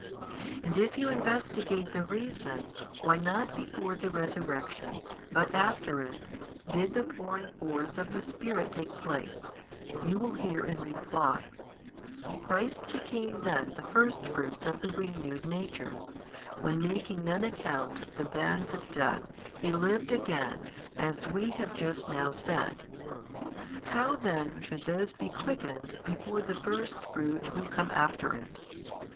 And if you investigate the reason why not before the resurrection but after it did the pouring forth of the Spirit take place, you will hear in reply, Christ became then the firstfruits of the renewed nature, when making none account of the bands of death He lived again as we have just now said. How then should those be quickened before the Firstfruit who come after It?